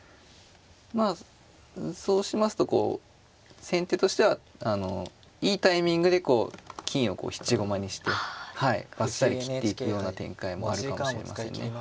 まあそうしますとこう先手としてはいいタイミングで金をこう質駒にしてはいばっさり切っていくような展開もあるかもしれませんね。